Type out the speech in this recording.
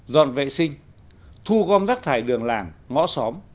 dọn vệ sinh thu gom rác thải đường làng ngõ xóm